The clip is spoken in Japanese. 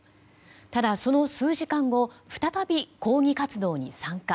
ただ、その数時間後再び抗議活動に参加。